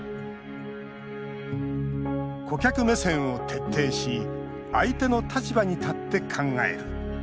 顧客目線を徹底し相手の立場に立って考える。